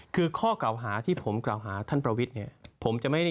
คือข้อกล่าวหาที่ผมกล่าวหาท่านประวิทย์เนี่ย